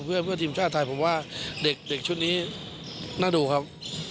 เพื่อทีมชาติไทยผมว่าเด็กชุดนี้น่าดูครับ